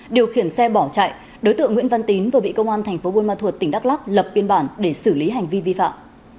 điều khiển xe bỏ chạy đối tượng nguyễn văn tín vừa bị công an thành phố buôn ma thuột tỉnh đắk lắk lập biên bản để xử lý hành vi vi phạm